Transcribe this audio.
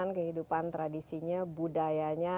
dan juga kehidupan tradisinya budayanya